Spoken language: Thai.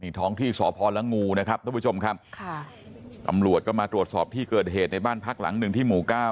ท้องที่สพละงูนะครับท่านผู้ชมครับค่ะตำรวจก็มาตรวจสอบที่เกิดเหตุในบ้านพักหลังหนึ่งที่หมู่เก้า